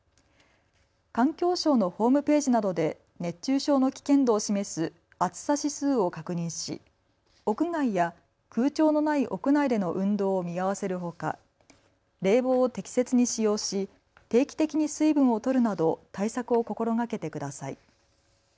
環境省のホームページなどで熱中症の危険度を示す暑さ指数を確認し屋外や空調のない屋内での運動を見合わせるほか冷房を適切に使用し定期的に水分をとるなど対策を心がけてください。